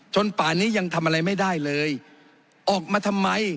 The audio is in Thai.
ป่านี้ยังทำอะไรไม่ได้เลยออกมาทำไม